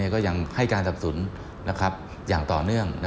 ก็ยังให้การสับสนอย่างต่อเนื่อง